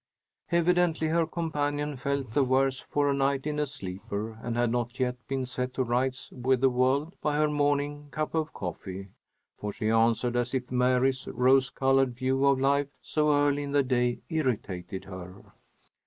Evidently her companion felt the worse for a night in a sleeper and had not yet been set to rights with the world by her morning cup of coffee, for she answered as if Mary's rose colored view of life so early in the day irritated her.